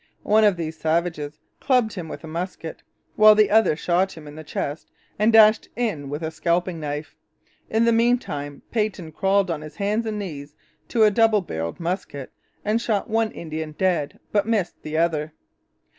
One of these savages clubbed him with a musket, while the other shot him in the chest and dashed in with a scalping knife. In the meantime, Peyton crawled on his hands and knees to a double barrelled musket and shot one Indian dead, but missed the other.